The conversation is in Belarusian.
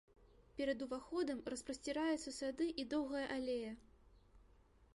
Перад уваходам распасціраюцца сады і доўгая алея.